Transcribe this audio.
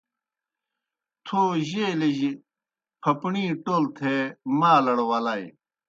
تھو جیلِجیْ پھپݨِی ٹول تھے مالڑ ولائے۔